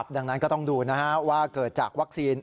ดังนั้นก็ต้องดูว่าเกิดจากวัคซีน